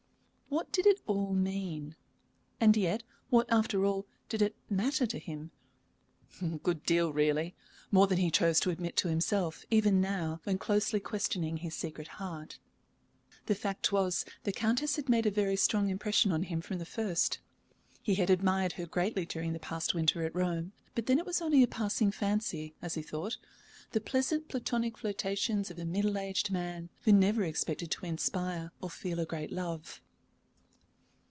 What did it all mean? And yet, what, after all, did it matter to him? A good deal really more than he chose to admit to himself, even now, when closely questioning his secret heart. The fact was, the Countess had made a very strong impression on him from the first. He had admired her greatly during the past winter at Rome, but then it was only a passing fancy, as he thought, the pleasant platonic flirtation of a middle aged man, who never expected to inspire or feel a great love.